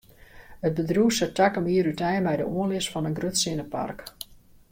It bedriuw set takom jier útein mei de oanlis fan in grut sinnepark.